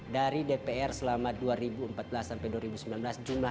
dari dpr selama dua ribu empat belas sampai dua ribu sembilan belas jumlah